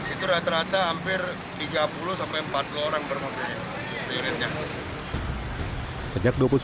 itu rata rata hampir tiga puluh empat puluh orang bermobil di unitnya